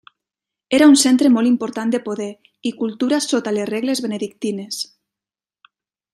Era un centre molt important de poder i cultura sota les regles benedictines.